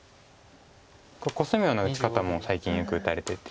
コスむような打ち方も最近よく打たれてて。